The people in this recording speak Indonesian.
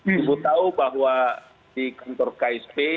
ibu tahu bahwa di kantor ksp